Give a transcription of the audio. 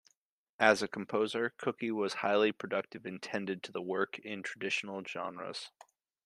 As a composer Cooke was highly productive and tended to work in traditional genres.